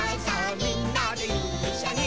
みんなでいっしょに」